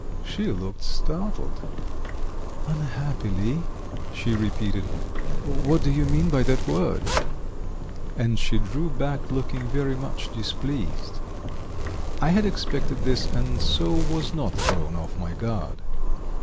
She looked startled. "Unhappily," she repeated. "What do you mean by that word?" And she drew back looking very much displeased. I had expected this and so was not thrown off my guard.